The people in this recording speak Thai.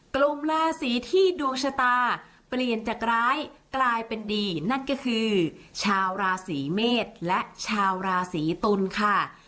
กลุ่มราศีที่ดวงชะตาเปลี่ยนจากร้ายกลายเป็นดีนั่นก็คือชาวราศีเมษและชาวราศีตุลค่ะ